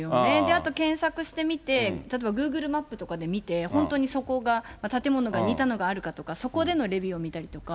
あと検索してみて、例えばグーグルマップとかで見て、本当にそこが、建物が似たのがあるかとか、そこでのレビューを見たりとか。